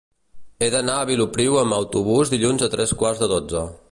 He d'anar a Vilopriu amb autobús dilluns a tres quarts de dotze.